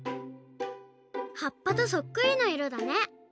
はっぱとそっくりないろだね！